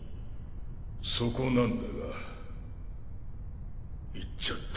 そこなんだが行っちゃった。